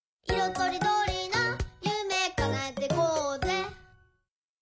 とりどりなゆめかなえてこうぜ！」